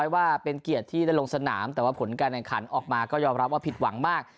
ว่าเป็นเกียรติที่ได้ลงสนามแต่ว่าผลการแข่งขันออกมาก็ยอมรับว่าผิดหวังมาก